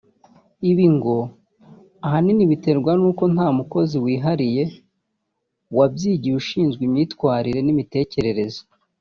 Ibi ngo ahanini biterwa n’uko nta mukozi wihariye wabyigiye ushinzwe imyitwarire n’imitekerereze